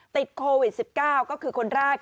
ติดโควิด๑๙ก็คือคนแรก